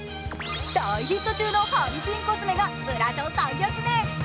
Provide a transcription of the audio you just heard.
大ヒット中のハリピーンコスメが、ブラショに初登場。